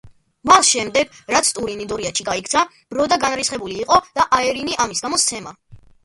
მას შემდეგ, რაც ტურინი დორიათში გაიქცა, ბროდა განრისხებული იყო და აერინი ამის გამო სცემა.